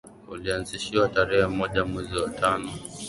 ulianzishwa tarerhe moja mwezi wa tano